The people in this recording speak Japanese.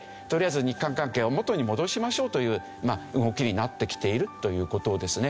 とりあえず日韓関係を元に戻しましょうという動きになってきているという事ですね。